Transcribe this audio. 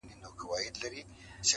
هغه ورځ په واک کي زما زړه نه وي.